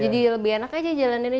jadi lebih enak aja jalan ini